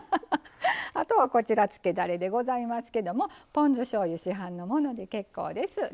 あとは、こちらつけだれでございますけどポン酢しょうゆ市販のもので結構です。